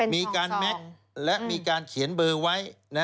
มีการแม็กซ์และมีการเขียนเบอร์ไว้